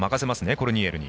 コルニエルに。